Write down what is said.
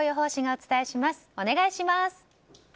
お願いします。